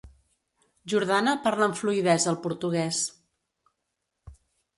Jordana parla amb fluïdesa el portuguès.